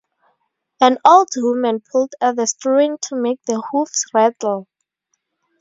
An old woman pulled at the string to make the hooves rattle.